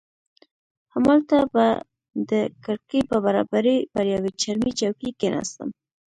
همالته به د کړکۍ پر برابري پر یوې چرمي چوکۍ کښېناستم.